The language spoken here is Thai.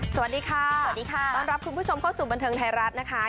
สวัสดีค่ะสวัสดีค่ะต้อนรับคุณผู้ชมเข้าสู่บันเทิงไทยรัฐนะคะ